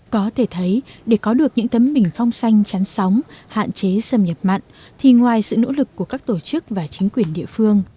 có thể thấy để có được những tấm bình phong xanh trắng sóng hạn chế xâm nhập mặn thì ngoài sự nỗ lực của các tổ chức và chính quyền địa phương